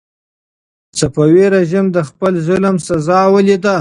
صفوي رژیم د خپل ظلم سزا ولیده.